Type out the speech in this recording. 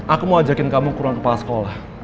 aku mau ajakin kamu kurang kepala sekolah